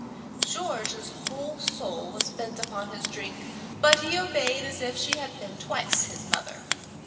George's whole soul was bent upon his drink, but he obeyed as if she had been twice his mother.